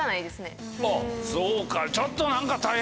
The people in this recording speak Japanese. そうかちょっと何か。